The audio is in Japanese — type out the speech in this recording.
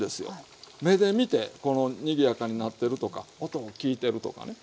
目で見てにぎやかになってるとか音を聞いてるとかね。